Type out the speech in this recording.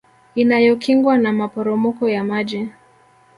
Inayokingwa na maporomoko ya maji